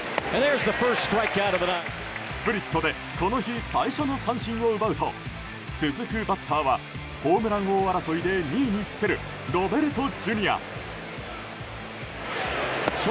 スプリットでこの日最初の三振を奪うと続くバッターはホームラン王争いで２位につけるロベルトＪｒ．。